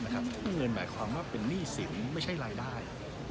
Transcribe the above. ซึ่งเงินหมายความว่าเป็นหนี้สินไม่ใช่รายได้